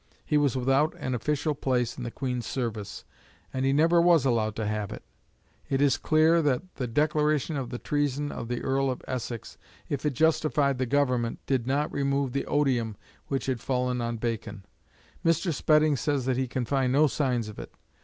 He was without an official place in the Queen's service, and he never was allowed to have it. It is clear that the "Declaration of the Treason of the Earl of Essex," if it justified the Government, did not remove the odium which had fallen on Bacon. Mr. Spedding says that he can find no signs of it.